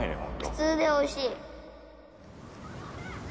普通でおいしい